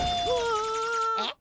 あっ！